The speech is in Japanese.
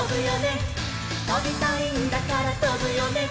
「とびたいんだからとぶよね」